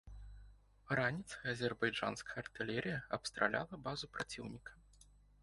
Раніцай азербайджанская артылерыя абстраляла базу праціўніка.